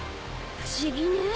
不思議ね。